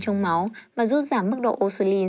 trong máu và giúp giảm mức độ oxylin